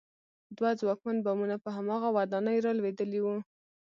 دوه ځواکمن بمونه په هماغه ودانۍ رالوېدلي وو